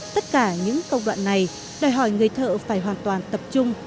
tất cả những công đoạn này đòi hỏi người thợ phải hoàn toàn tập trung